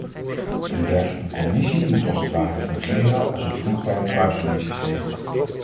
Een dergelijke commissie moet als het ware fungeren als een vroegtijdig waarschuwingssysteem.